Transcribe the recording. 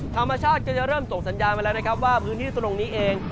ธรรมชาติก็จะเริ่มส่งสัญญาณมาแล้วนะครับว่าพื้นที่ตรงนี้เอง